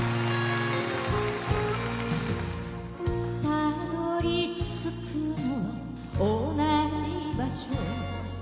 辿り着くのは同じ場所